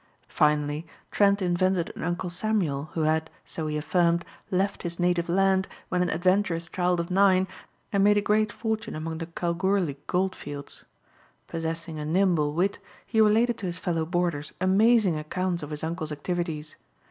Finally Trent invented an Uncle Samuel who had, so he affirmed, left his native land when an adventurous child of nine and made a great fortune among the Calgoorlie gold fields. Possessing a nimble wit he related to his fellow boarders amazing accounts of his uncle's activities.